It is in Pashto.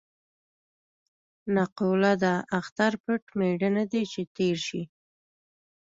نقوله ده: اختر پټ مېړه نه دی چې تېر شي.